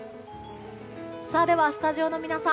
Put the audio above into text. スタジオの皆さん